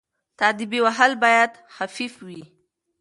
تاديبي وهل باید خفيف وي.